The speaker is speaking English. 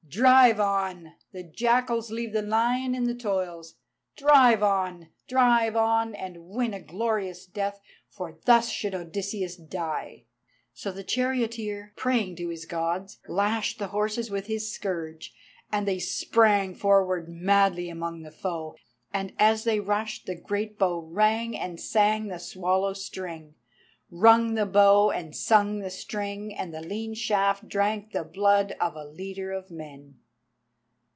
Drive on! The jackals leave the lion in the toils. Drive on! Drive on! and win a glorious death, for thus should Odysseus die." So the charioteer, praying to his Gods, lashed the horses with his scourge, and they sprang forward madly among the foe. And as they rushed, the great bow rang and sang the swallow string—rung the bow and sung the string, and the lean shaft drank the blood of a leader of men.